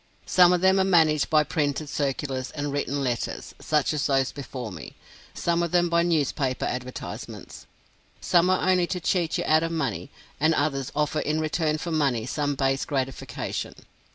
Some of them are managed by printed circulars and written letters, such as those before me; some of them by newspaper advertisements. Some are only to cheat you out of money, and others offer in return for money some base gratification.